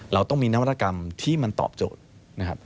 เราต้องมีนวัตกรรมที่มันตอบโจทย์นะครับ